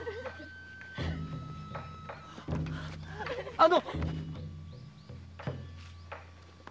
あの！